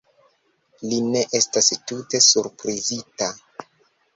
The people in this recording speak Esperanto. Li ne estas tute surprizita.